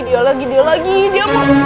dia lagi dia lagi dia mau